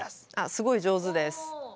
すごい上手です。